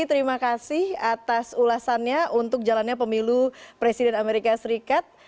terima kasih atas ulasannya untuk jalannya pemilu presiden amerika serikat